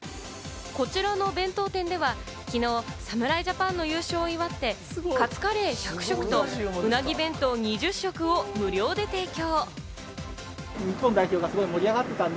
こちらの弁当店では昨日、侍ジャパンの優勝を祝ってカツカレー１００食とうなぎ弁当２０食を無料で提供。